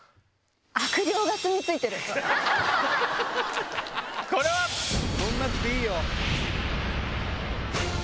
乗らなくていいよ。